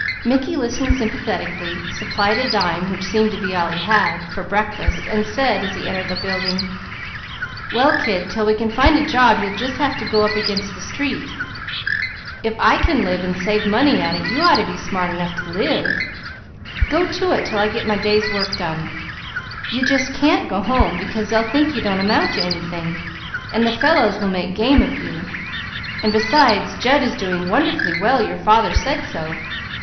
Mickey listened sympathetically, supplied a dime, which seemed to be all he had, for breakfast, and said as he entered the building: "Well kid, 'til we can find a job you'll just have to go up against the street. If I can live and save money at it, you ought to be smart enough to live. Go to it 'til I get my day's work done. You just can't go home, because they'll think you don't amount to anything; the fellows will make game of you, and besides Jud is doing wonderfully well, your father said so.